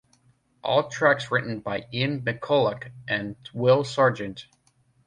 All tracks written by Ian McCulloch and Will Sergeant.